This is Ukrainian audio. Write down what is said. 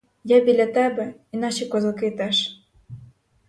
Я біля тебе, і наші козаки теж.